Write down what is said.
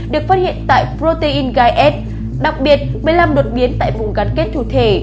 được phát hiện tại protein guide s đặc biệt một mươi năm đột biến tại vùng gắn kết thủ thể